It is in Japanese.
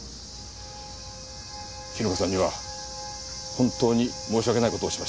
絹香さんには本当に申し訳ない事をしました。